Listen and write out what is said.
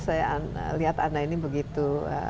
saya lihat anda ini begitu